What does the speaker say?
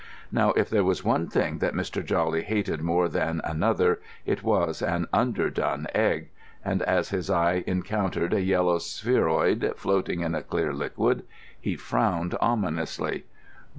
Now if there was one thing that Mr. Jawley hated more than another, it was an underdone egg; and as his eye encountered a yellow spheroid floating in a clear liquid, he frowned ominously.